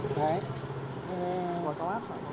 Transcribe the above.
bỏ cao áp sao